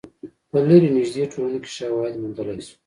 په لرې نژدې ټولنو کې شواهد موندلای شو.